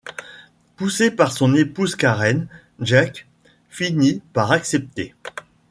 Poussé par son épouse Karen, Jake finit par accepter.